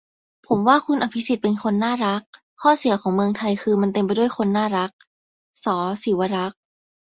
"ผมว่าคุณอภิสิทธิ์เป็นคนน่ารัก ข้อเสียของเมืองไทยคือมันเต็มไปด้วยคนน่ารัก" - ส.ศิวรักษ์